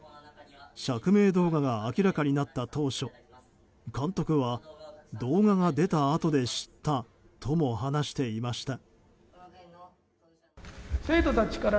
釈明動画が明らかになった当初監督は、動画が出たあとで知ったとも話していました。